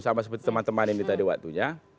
sama seperti teman teman ini tadi waktunya